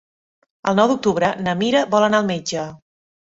El nou d'octubre na Mira vol anar al metge.